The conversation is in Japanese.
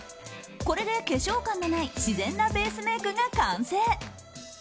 これで化粧感のない自然なベースメイクが完成。